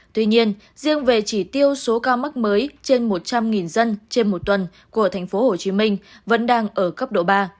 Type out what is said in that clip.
tuy nhiên riêng về chỉ tiêu số ca mắc mới trên một trăm linh dân trên một tuần của tp hcm vẫn đang ở cấp độ ba